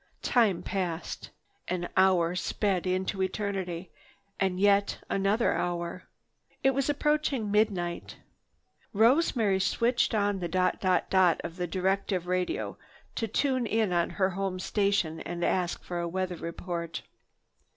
Time passed. An hour sped into eternity, and yet another hour. It was approaching midnight. Rosemary switched on the dot dot dot of the directive radio to tune in on her home station and ask for a weather report.